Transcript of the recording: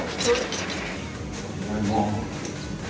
ただいま。